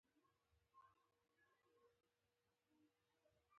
موږ څوک یو نه پوهېدل